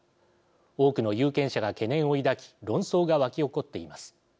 多くの有権者が懸念を抱き論争が沸き起こっています。